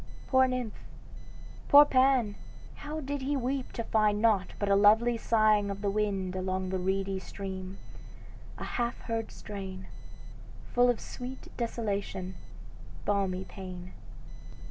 Poor nymph poor Pan how he did weep to find Nought but a lovely sighing of the wind Along the reedy stream; a half heard strain. Full of sweet desolation, balmy pain."